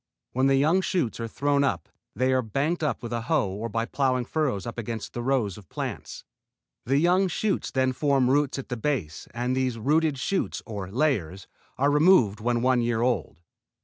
When the young shoots are thrown up they are banked up with a hoe or by plowing furrows up against the rows of plants. The young shoots then form roots at the base and these rooted shoots or layers are removed when one year old.